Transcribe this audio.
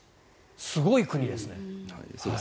すごい国ですね。